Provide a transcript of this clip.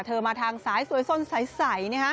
เธอมาทางสายสวยสนสายใส